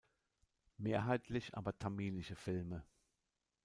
Mehrheitlich aber tamilische Filme.